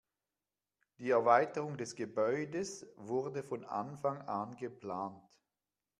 Die Erweiterung des Gebäudes wurde von Anfang an geplant.